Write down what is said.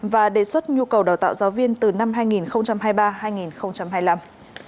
và đề xuất nhu cầu đào tạo giáo viên từ năm hai nghìn hai mươi ba hai nghìn hai mươi năm